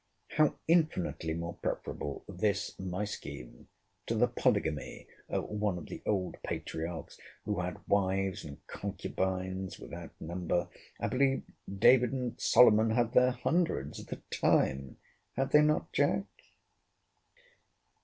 How infinitely more preferable this my scheme to the polygamy one of the old patriarchs; who had wives and concubines without number!—I believe David and Solomon had their hundreds at a time. Had they not, Jack?